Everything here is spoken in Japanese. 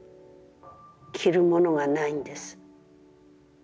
着るものがないんです。